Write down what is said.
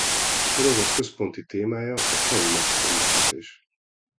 A sorozat központi témája a faji megkülönböztetés.